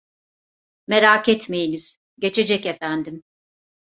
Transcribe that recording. Merak etmeyiniz, geçecek efendim.